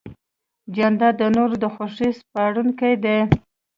جانداد د نورو د خوښۍ سپارونکی دی.